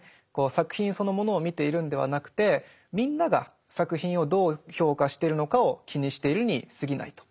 作品そのものを見ているんではなくてみんなが作品をどう評価してるのかを気にしているにすぎないと。